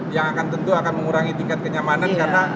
yang akan tentu akan mengurangi tingkat kenyamanan karena